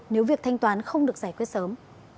nếu việc thanh toán không được giải quyết sớm